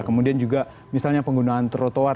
kemudian juga misalnya penggunaan trotoar